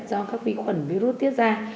do các vi khuẩn virus tiết ra